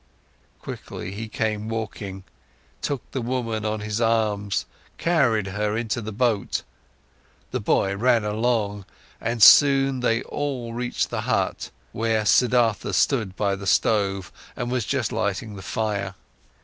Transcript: Quickly, he came walking, took the woman on his arms, carried her into the boat, the boy ran along, and soon they all reached the hut, where Siddhartha stood by the stove and was just lighting the fire.